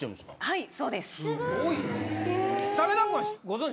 はい。